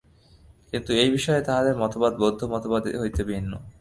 কিন্তু এই বিষয়ে তাঁহাদের মতবাদ বৌদ্ধ মতবাদ হইতে ভিন্ন।